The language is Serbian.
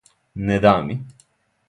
Не да ми.